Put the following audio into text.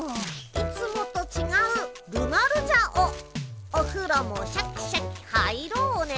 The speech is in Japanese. いつもとちがうるまるじゃおおふろもシャキシャキ入ろうね。